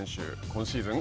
今シーズン